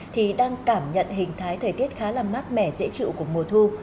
thì đang cảm nhận hình thái thời tiết khá là mát mẻ dễ chịu của mùa thu